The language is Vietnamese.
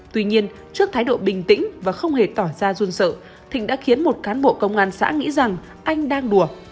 tuy nhiên trước thái độ bình tĩnh và không hề tỏ ra run sợ thịnh đã khiến một cán bộ công an xã nghĩ rằng anh đang đùa